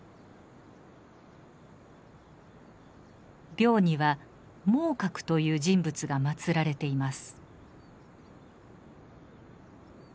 廟には孟獲という人物が祀られています。